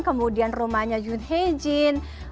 kemudian rumahnya yoon hye jin